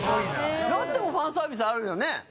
ロッテもファンサービスあるよね？